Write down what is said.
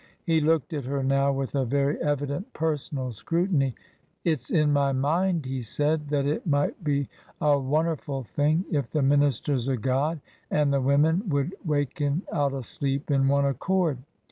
He looked at her now with a very evident personal scrutiny. " It's in my mind," he said, "that it might be a wonner ful thing if the ministers o' God and the women would waken out o' sleep in one accord.